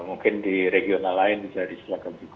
mungkin di regional lain bisa diserahkan juga